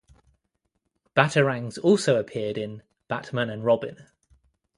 Batarangs also appeared in "Batman and Robin".